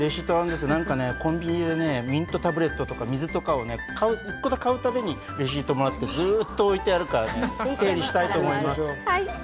コンビニでミントタブレットとか水とか１個買うたびにレシートをもらってずっと置いてあるから整理したいと思います。